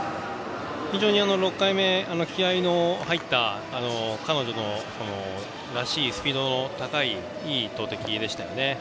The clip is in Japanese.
非常に６回目は気合いの入った彼女らしいスピードも高いいい投てきでしたよね。